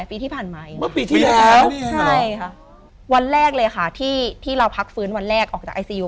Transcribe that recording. ปีที่ผ่านมาเมื่อปีที่แล้วใช่ค่ะวันแรกเลยค่ะที่ที่เราพักฟื้นวันแรกออกจากไอซียู